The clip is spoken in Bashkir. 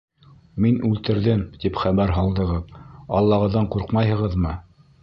— Мин үлтерҙем, тип хәбәр һалдығыҙ, Аллағыҙҙан ҡурҡмайһығыҙмы?